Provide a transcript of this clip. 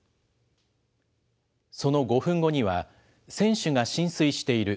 その５分後には、船首が浸水している。